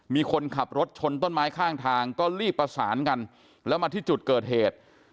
มีคนขับรถชนต้นไม้ข้างทางก็รีบประสานกันแล้วมาที่จุดเกิดเหตุ